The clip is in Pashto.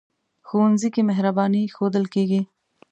ښوونځی کې مهرباني ښودل کېږي